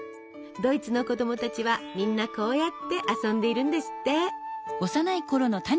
ドイツの子供たちはみんなこうやって遊んでいるんですって！